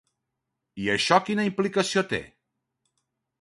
I això quina implicació té?